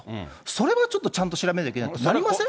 それはちょっとちゃんと調べなきゃいけない、なりません？